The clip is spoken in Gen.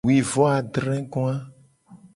Wuivoadregoa.